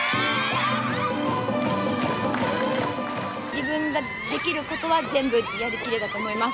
自分ができることは全部やりきれたと思います。